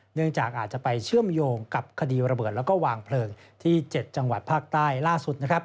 เนื่องจากอาจจะไปเชื่อมโยงกับคดีระเบิดแล้วก็วางเพลิงที่๗จังหวัดภาคใต้ล่าสุดนะครับ